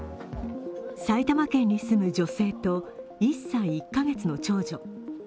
埼玉県に住む女性と１歳１カ月の長女。